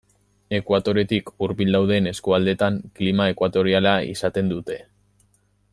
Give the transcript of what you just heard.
Ekuatoretik hurbil dauden eskualdeetan klima ekuatoriala izaten dute.